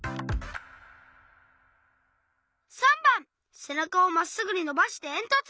３ばん「せなかをまっすぐにのばしてえんとつ」。